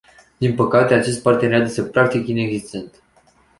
Din păcate, acest parteneriat este practic inexistent.